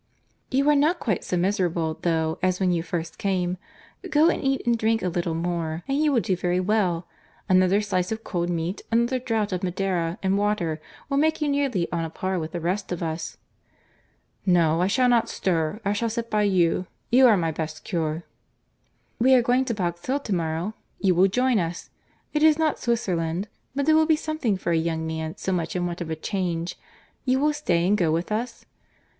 "You are not quite so miserable, though, as when you first came. Go and eat and drink a little more, and you will do very well. Another slice of cold meat, another draught of Madeira and water, will make you nearly on a par with the rest of us." "No—I shall not stir. I shall sit by you. You are my best cure." "We are going to Box Hill to morrow;—you will join us. It is not Swisserland, but it will be something for a young man so much in want of a change. You will stay, and go with us?"